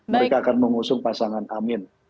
mereka akan mengusung pasangan amin